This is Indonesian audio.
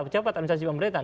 pejabat administrasi negara